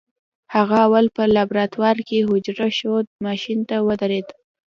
هغه اول په لابراتوار کې حجره ښود ماشين ته ودرېد.